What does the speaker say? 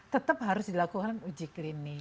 tetap harus dilakukan uji klinik